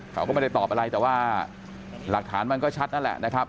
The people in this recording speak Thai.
เขาก็ไม่ได้ตอบอะไรแต่ว่าหลักฐานมันก็ชัดนั่นแหละนะครับ